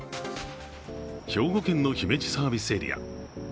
兵庫県の姫路サービスエリア。